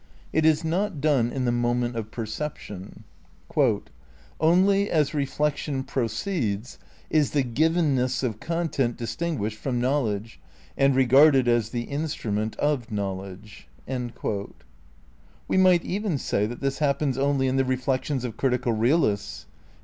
It is not done in the moment of perception. "Only as reflection proceeds is the givenness of content dis tinguished from knowledge and regarded as the instrument of know ledge." ' We might even say that this happens only in the reflections of critical realists.